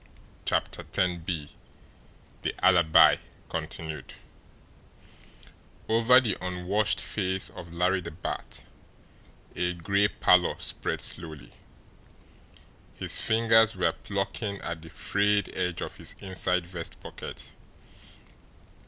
What clew could he have obtained to Over the unwashed face of Larry the Bat a gray pallor spread slowly. His fingers were plucking at the frayed edge of his inside vest pocket.